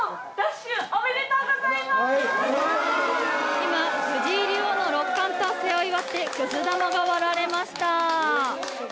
今、藤井竜王の六冠達成を祝ってくす玉が割られました。